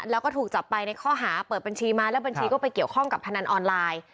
แล้วก็ถูกจับไปในข้อหาเปิดบัญชีมาแล้วบัญชีก็ไปเกี่ยวข้องกับพนันออนไลน์